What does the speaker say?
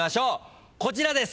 こちらです。